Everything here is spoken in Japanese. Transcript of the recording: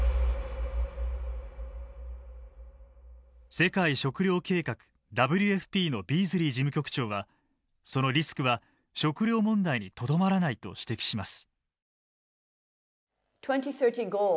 世界食糧計画・ＷＦＰのビーズリー事務局長はそのリスクは食料問題にとどまらないと指摘します。